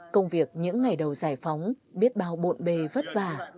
công việc những ngày đầu giải phóng biết bao bộn bề vất vả